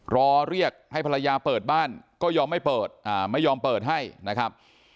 รอเรียกให้ภรรยาเปิดบ้านก็ยอมไม่เปิดไม่ยอมเปิดให้นะครับ